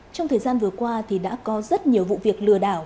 trong thời gian vừa qua thì đã có rất nhiều vụ việc lừa đảo